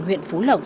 huyện phú lộc